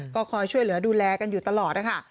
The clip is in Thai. ก็คอยช่วยเหลือดูแลกันอยู่ตลอดนะคะ